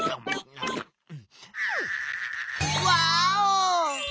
ワーオ！